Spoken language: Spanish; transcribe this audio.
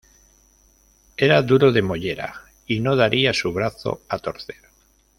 Era duro de mollera y no daría su brazo a torcer